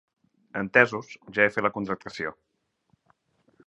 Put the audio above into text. Entesos, ja he fet la contractació.